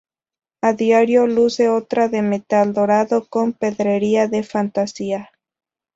A diario luce otra de metal dorado, con pedrería de fantasía.